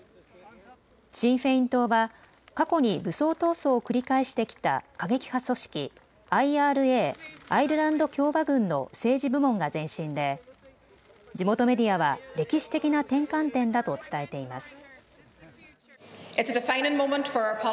シン・フェイン党は過去に武装闘争を繰り返してきた過激派組織ＩＲＡ・アイルランド共和軍の政治部門が前身で地元メディアは歴史的な転換点だと伝えています。